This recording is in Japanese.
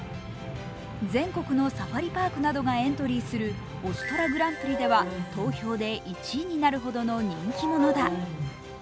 全国のサファリパークなどがエントリーする推し虎グランプリでは、投票で１位になるほどの人気者だ。